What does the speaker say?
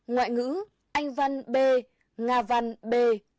ngoại ngữ anh văn b nga văn b